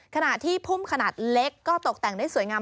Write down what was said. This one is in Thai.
ขณะที่พุ่มขนาดเล็กก็ตกแต่งได้สวยงาม